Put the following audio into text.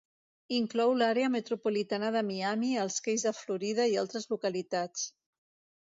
Inclou l'àrea metropolitana de Miami, els Keys de Florida i altres localitats.